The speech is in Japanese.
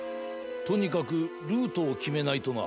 とにかくルートをきめないとな。